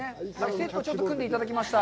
セットを組んでいただきました。